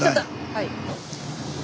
はい。